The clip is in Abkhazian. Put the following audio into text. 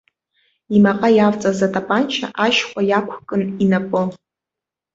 Имаҟа иавҵаз атапанча ашьхәа иақәкын инапы.